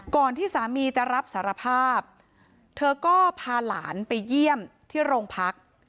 ที่สามีจะรับสารภาพเธอก็พาหลานไปเยี่ยมที่โรงพัก